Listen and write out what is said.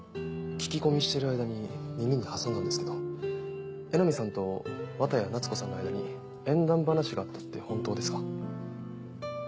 聞き込みしてる間に耳にはさんだんですけど江波さんと綿谷夏子さんの間に縁談話があったって本当ですか？